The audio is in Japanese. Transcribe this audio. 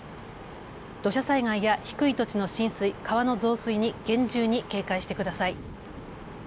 土砂災害や低い土地の浸水、川の増水に厳重に警戒してください。